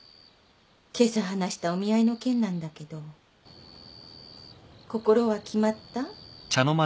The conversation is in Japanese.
今朝話したお見合いの件なんだけど心は決まった？